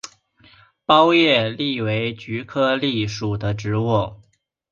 苞叶蓟为菊科蓟属的植物。